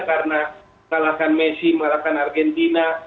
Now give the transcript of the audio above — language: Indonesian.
karena mengalahkan messi mengalahkan argentina